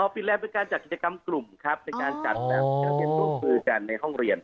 ปิดแลนดเป็นการจัดกิจกรรมกลุ่มครับในการจัดแบบการเรียนร่วมมือกันในห้องเรียน